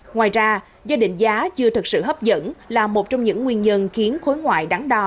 ngoài ra do định giá chưa thực sự hấp dẫn là một trong những nguyên nhân khiến khối ngoại đắn đo